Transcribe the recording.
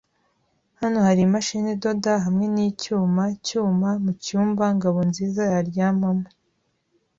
Hano hari imashini idoda hamwe nicyuma cyuma mucyumba Ngabonzizayaryamamo.